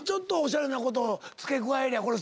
付け加えりゃこれ。